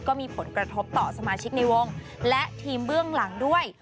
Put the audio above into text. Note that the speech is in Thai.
ก็มีผลกระทบต่อสมาชิกในวงและทีมเบื้องหลังด้วย